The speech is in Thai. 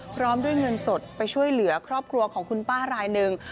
พร้อมด้วยเงินสดไปช่วยเหลือครอบครัวของคุณป้ารายหนึ่ง